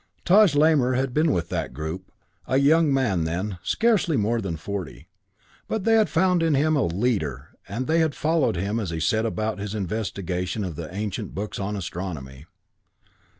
Taj Lamor had been with that group, a young man then, scarcely more than forty, but they had found him a leader and they had followed him as he set about his investigation of the ancient books on astronomy.